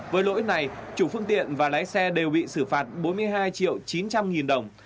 với lỗi này chủ phương tiện và lái xe đều bị xử phạt bốn mươi hai triệu chín trăm linh nghìn đồng